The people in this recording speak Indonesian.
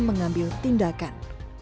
dan mengambil tindakan